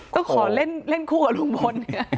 ก็ขอเล่นคู่กับลุงพล